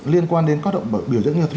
liên quan đến các động biểu diễn nghệ thuật